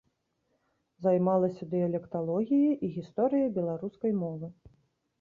Займалася дыялекталогіяй і гісторыяй беларускай мовы.